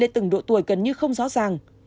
lên từng độ tuổi gần như không rõ ràng